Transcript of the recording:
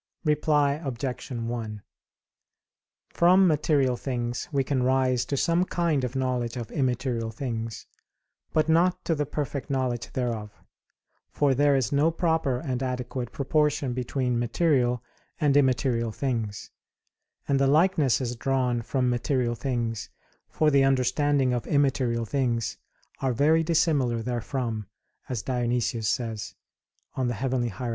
Reply Obj. 1: From material things we can rise to some kind of knowledge of immaterial things, but not to the perfect knowledge thereof; for there is no proper and adequate proportion between material and immaterial things, and the likenesses drawn from material things for the understanding of immaterial things are very dissimilar therefrom, as Dionysius says (Coel. Hier.